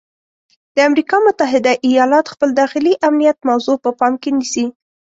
د امریکا متحده ایالات خپل داخلي امنیت موضوع په پام کې نیسي.